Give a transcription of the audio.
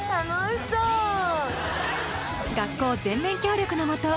学校全面協力のもと